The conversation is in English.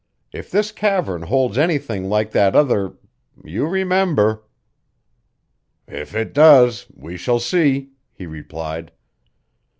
If this cavern holds anything like that other you remember " "If it does, we shall see," he replied.